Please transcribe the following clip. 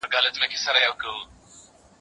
هم د زور او هم د زرو څښتنان وه